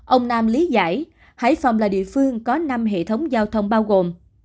ông nam lý giải hải phòng là địa phương có năm hệ thống giao thông bao gồm